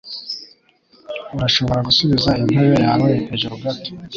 Urashobora gusubiza intebe yawe hejuru gato?